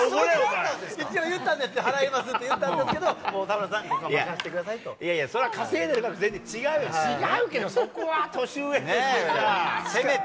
言ったんです、払いますって言ったんですけど、田村さん、いやいや、それは稼いでるからって、違うし、違うけど、そこは年上としては、せめて。